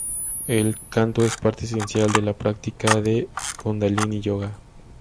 El canto es parte esencial de la práctica de Kundalini Yoga.